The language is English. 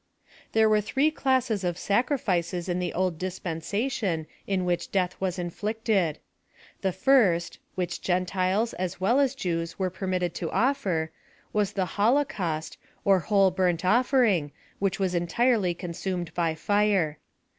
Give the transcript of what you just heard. There were three classes of sacrifices in the old aispensation in which death was inflicted. The first, which Gentiles, as well as Jews were permit ted to ofier, was the holocaust, or whole burnt offer ing, which was entirely consumed by fire.